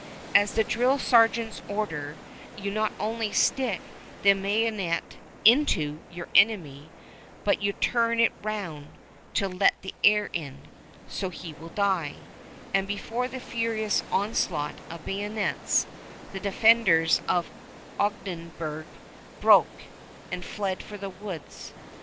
As the drill sergeants order, you not only stick the bayonet into your enemy, but you turn it round "to let the air in" so he will die; and before the furious onslaught of bayonets, the defenders of Ogdensburg broke, and fled for the woods.